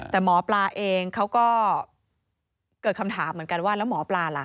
แต่หมอปลาเองเขาก็เกิดคำถามเหมือนกันว่าแล้วหมอปลาล่ะ